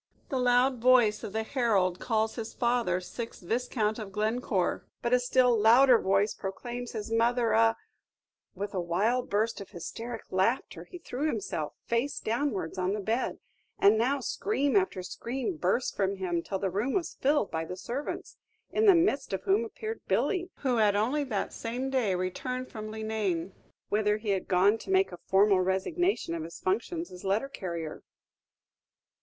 The loud voice of the herald calls his father Sixth Viscount of Glencore, but a still louder voice proclaims his mother a " With a wild burst of hysteric laughter, he threw himself, face downwards, on the bed; and now scream after scream burst from him, till the room was filled by the servants, in the midst of whom appeared Billy, who had only that same day returned from Leenane, whither he had gone to make a formal resignation of his functions as letter carrier.